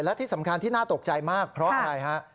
และที่สำคัญที่น่าตกใจมากเพราะอะไรฮะ